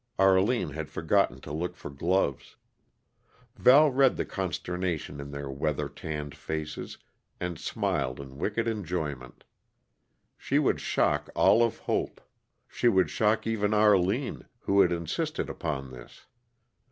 Arline had forgotten to look for gloves. Val read the consternation in their weather tanned faces, and smiled in wicked enjoyment. She would shock all of Hope; she would shock even Arline, who had insisted upon this.